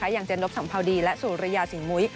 อย่างเจนบสัมภาวดีและสุริยาศรีมุ้ย